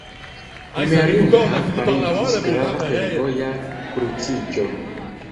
Jmerinka fariĝis grava fervoja kruciĝo.